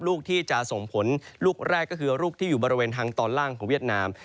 ลูกที่จะส่งผลลูกแรกก็คือลูกที่อยู่บริเวณทางตอนล่างของเวียดนาม